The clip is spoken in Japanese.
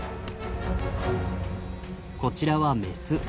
こちらはメス。